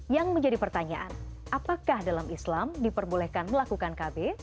yang menjadi pertanyaan apakah dalam islam diperbolehkan melakukan kb